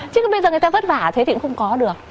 chứ còn bây giờ người ta vất vả thế thì cũng không có được